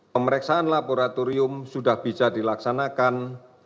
pemeriksaan laboratorium sudah bisa dilaksanakan